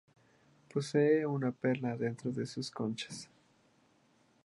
Poseen una perla dentro de sus conchas.